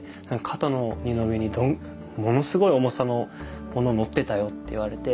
肩の荷の上にものすごい重さのもののってたよって言われて。